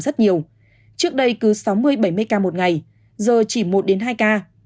trước đây cứ sáu mươi bảy mươi ca một ngày giờ chỉ một hai ca